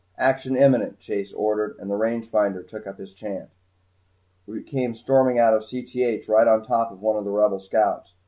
"Action imminent," Chase ordered, and the rangefinder took up his chant. We came storming out of Cth right on top of one of the Rebel scouts.